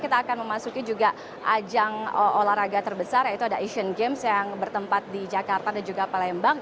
kita akan memasuki juga ajang olahraga terbesar yaitu ada asian games yang bertempat di jakarta dan juga palembang